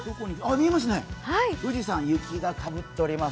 見えますね、富士山、雪がかぶっております。